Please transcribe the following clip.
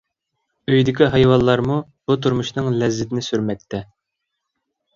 ئۆيدىكى ھايۋانلارمۇ بۇ تۇرمۇشنىڭ لەززىتىنى سۈرمەكتە.